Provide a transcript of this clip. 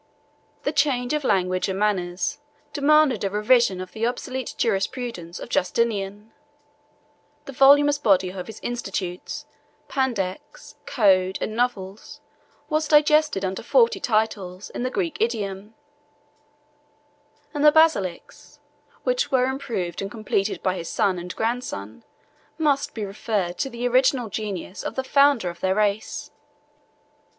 The change of language and manners demanded a revision of the obsolete jurisprudence of Justinian: the voluminous body of his Institutes, Pandects, Code, and Novels, was digested under forty titles, in the Greek idiom; and the Basilics, which were improved and completed by his son and grandson, must be referred to the original genius of the founder of their race.